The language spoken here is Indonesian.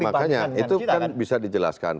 makanya itu kan bisa dijelaskan